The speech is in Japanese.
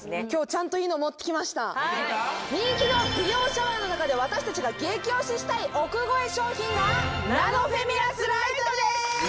今日ちゃんといいの持ってきました人気の美容シャワーの中で私達が激推ししたい億超え商品がナノフェミラス・ライトです！